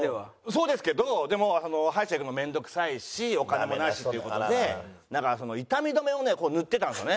そうですけどでも歯医者行くの面倒くさいしお金もないしという事でなんか痛み止めをね塗ってたんですよね